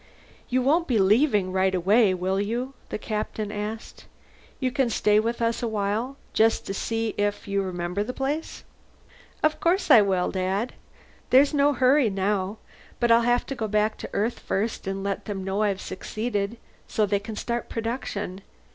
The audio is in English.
"You won't be leaving right away, will you?" the Captain asked. "You can stay with us a while, just to see if you remember the place?" "Of course I will, Dad. There's no hurry now. But I'll have to go back to Earth first and let them know I've succeeded, so they can start production.